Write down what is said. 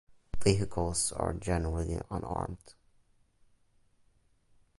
Vehicles are generally unarmed.